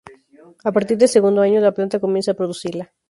A partir del segundo año, la planta comienza a producirla.